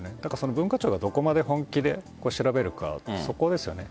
文化庁がどこまで本気で調べるかそこですよね。